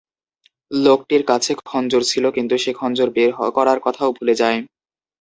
লোকটির কাছে খঞ্জর ছিল কিন্তু সে খঞ্জর বের করার কথাও ভুলে যায়।